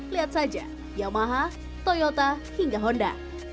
lihat saja yamaha toyota hingga honda